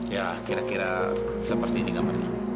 ya kira kira seperti ini gambarnya